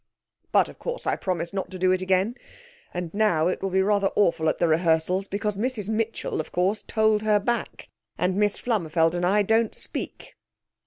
But, of course, I promised not to do it again. And now it will be rather awful at the rehearsals, because Mrs Mitchell, of course, told her back, and Miss Flummerfelt and I don't speak.'